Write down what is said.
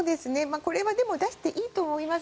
これは出していいと思います。